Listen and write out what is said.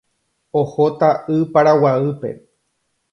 Ohóta Y Paraguaýpe.